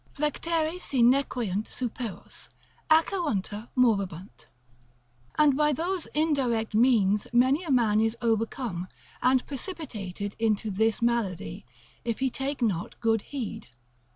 Flectere si nequeunt superos, Acheronta movebunt. And by those indirect means many a man is overcome, and precipitated into this malady, if he take not good heed.